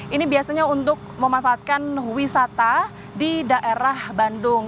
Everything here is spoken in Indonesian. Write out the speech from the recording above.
ini biasanya untuk memanfaatkan wisata di daerah bandung